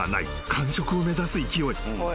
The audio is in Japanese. ［完食を目指す勢い］